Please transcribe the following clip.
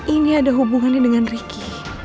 ini ada hubungannya dengan ricky